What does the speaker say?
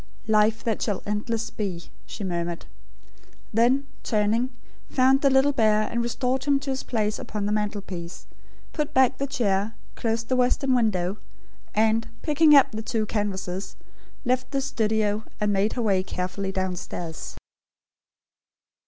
"Life, that shall endless be," she murmured. Then, turning, found the little bear, and restored him to his place upon the mantelpiece; put back the chair; closed the western window; and, picking up the two canvases, left the studio, and made her way carefully downstairs.